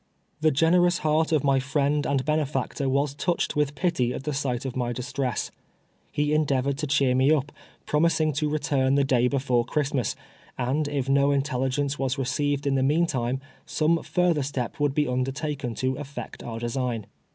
The generous heart of my friend and benefactor was touched with pity at the sight of my distress. He en deavored to cheer me up, promising to return the day before Christmas, and if no intelligence was received in the meantime, some further step would be under taken to effect our design.